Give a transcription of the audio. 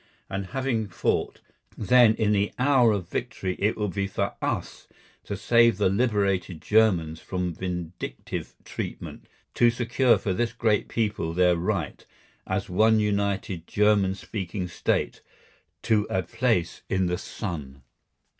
And having fought, then in the hour of victory it will be for us to save the liberated Germans from vindictive treatment, to secure for this great people their right, as one united German speaking State, to a place in the sun.